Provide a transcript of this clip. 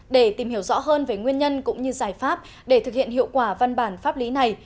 để tìm hiểu rõ hơn về nguyên nhân cũng như giải pháp để thực hiện hiệu quả văn bản pháp lý này